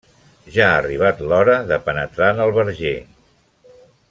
Ja ha arribat l'hora de penetrar en el verger.